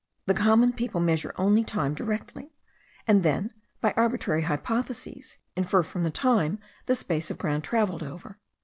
The common people measure only time directly; and then, by arbitrary hypotheses, infer from the time the space of ground travelled over.